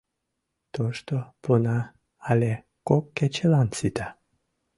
Тошто пуна але кок кечылан сита.